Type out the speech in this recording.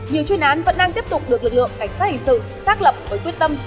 nhiều chuyên án vẫn đang tiếp tục được lực lượng cảnh sát hình sự xác lập với quyết tâm